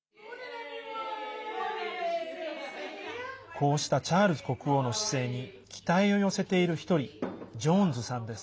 こうしたチャールズ国王の姿勢に期待を寄せている一人ジョーンズさんです。